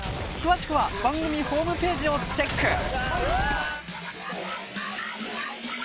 詳しくは番組ホームページをチェック